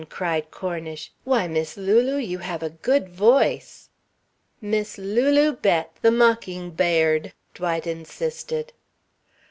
cried Cornish. "Why, Miss Lulu, you have a good voice!" "Miss Lulu Bett, the mocking ba ird!" Dwight insisted.